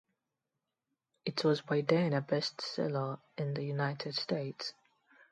It was by then a bestseller in the United States.